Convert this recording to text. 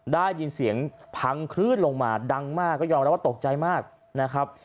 ได้ยินเสียงพังคลื่นลงมาดังมากก็ยอมรับว่าตกใจมากนะครับ